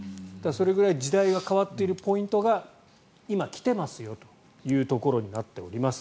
それぐらい時代が変わっているポイントが今、来てますよというところになっています。